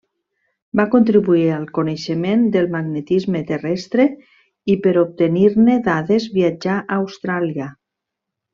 Va contribuir al coneixement del magnetisme terrestre i per obtenir-ne dades viatjà a Austràlia.